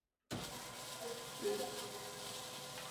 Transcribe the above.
aiheshimu maneno na ahadi zake katika mikutano kadhaa ambayo imefanyika